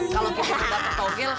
kalau gitu dibatokil